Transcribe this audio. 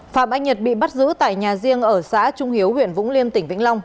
phạm anh nhật bị bắt giữ tại nhà riêng ở xã trung hiếu huyện vũng liêm tỉnh vĩnh long